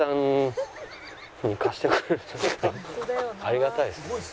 ありがたいですね。